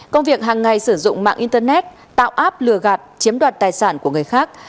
công việc hàng ngày sử dụng mạng internet tạo app lừa gạt chiếm đoạt tài sản của người khác